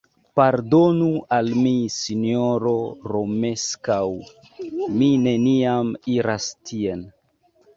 Pardonu al mi, sinjoro Romeskaŭ; mi neniam iras tien.